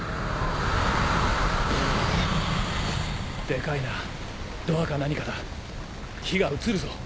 デカいなドアか何かだ火が移るぞ。